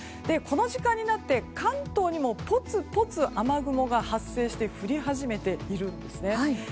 この時間になって、関東にもぽつぽつ、雨雲が発生して降り始めているんですね。